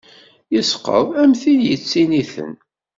Isqeḍ am tin ittiniten.